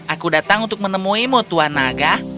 aku datang untuk menemuimu tuan naga